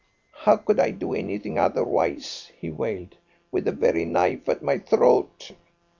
"How could I do anything otherwise," he wailed, "with the very knife at my throat?"